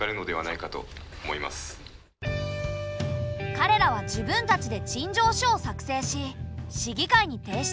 かれらは自分たちで陳情書を作成し市議会に提出。